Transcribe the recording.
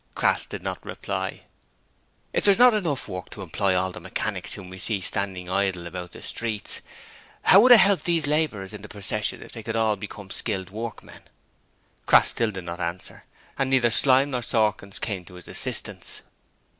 Crass did not reply. 'If there is not enough work to employ all the mechanics whom we see standing idle about the streets, how would it help these labourers in the procession if they could all become skilled workmen?' Still Crass did not answer, and neither Slyme nor Sawkins came to his assistance.